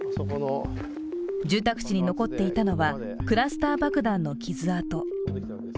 住宅地に残っていたのはクラスター爆弾の傷痕。